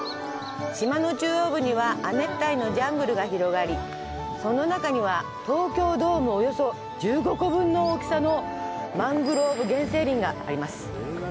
島の中央部には亜熱帯のジャングルが広がりその中には、東京ドームおよそ１５個分の大きさのマングローブ原生林があります。